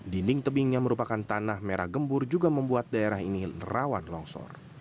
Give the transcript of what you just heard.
dinding tebing yang merupakan tanah merah gembur juga membuat daerah ini rawan longsor